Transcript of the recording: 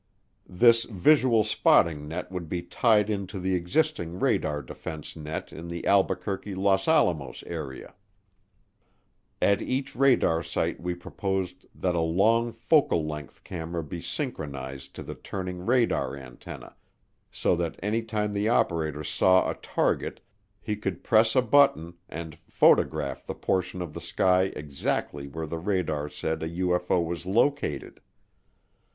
This visual spotting net would be tied into the existing radar defense net in the Albuquerque Los Alamos area. At each radar site we proposed that a long focal length camera be synchronized to the turning radar antenna, so that any time the operator saw a target he could press a button and photograph the portion of the sky exactly where the radar said a UFO was located.